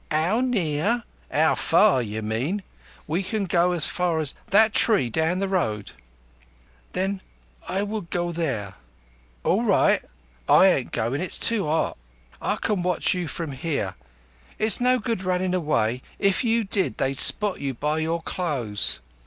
"'Ow near? 'Ow far, you mean! We can go as far as that tree down the road." "Then I will go there." "All right. I ain't goin'. It's too 'ot. I can watch you from 'ere. It's no good your runninv away. If you did, they'd spot you by your clothes.